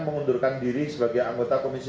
mengundurkan diri sebagai anggota komisi